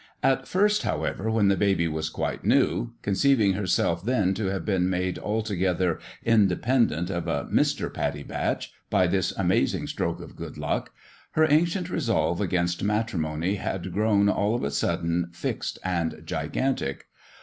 At first, however, when the baby was quite new, conceiving herself then to have been made altogether independent of a Mr. Pattie Batch by this amazing stroke of good luck, her ancient resolve against matrimony had grown all of a sudden fixed and gigantic.